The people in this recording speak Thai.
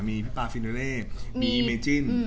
มีพี่ป๊าฟินเมเลน์มีอิเมจิ้น